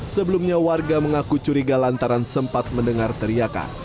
sebelumnya warga mengaku curiga lantaran sempat mendengar teriakan